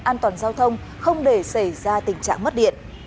an toàn giao thông không để xảy ra tình trạng mất điện